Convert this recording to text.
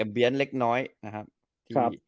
แอมเบียนเล็กน้อยนะครับ